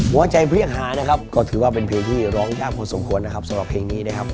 ใจเพลี่ยงหานะครับก็ถือว่าเป็นเพลงที่ร้องยากพอสมควรนะครับสำหรับเพลงนี้นะครับ